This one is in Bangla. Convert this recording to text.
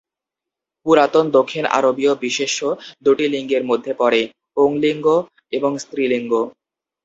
পুরাতন দক্ষিণ আরবীয় বিশেষ্য দুটি লিঙ্গের মধ্যে পড়ে: পুংলিঙ্গ এবং স্ত্রীলিঙ্গ।